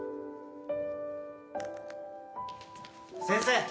先生！